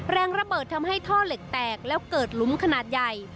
แรงระเบิดทำให้ท่อเหล็กแตกแล้วเกิดหลุมขนาดใหญ่